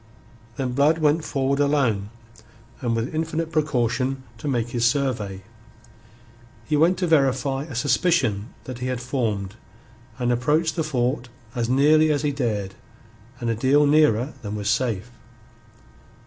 Then Blood went forward alone, and with infinite precaution, to make his survey. He went to verify a suspicion that he had formed, and approached the fort as nearly as he dared and a deal nearer than was safe.